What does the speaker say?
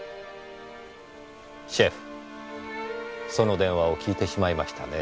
シェフその電話を聞いてしまいましたね？